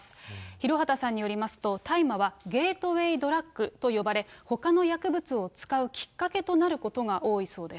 廣畑さんによりますと、大麻はゲートウェイドラッグと呼ばれ、ほかの薬物を使うきっかけになることが多いそうです。